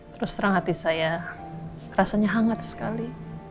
terus terang hati saya rasanya hangat sekali